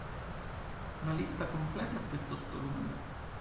La lista completa è piuttosto lunga.